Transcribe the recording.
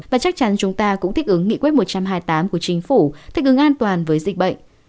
và chắc chắn chúng ta cũng thích ứng nghị quyết một trăm hai mươi tám của chính phủ thích ứng an toàn với dịch bệnh